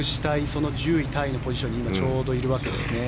その１０位タイのポジションに今、ちょうどいるわけです。